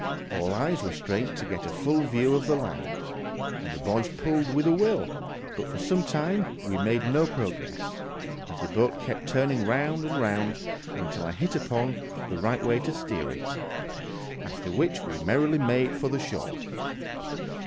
All eyes were strained to get a full view of the land, and the boys pulled with a will; but for some time we made no progress, as the boat kept turning round and round, until I hit upon the right way to steer it, after which we merrily made for the shore.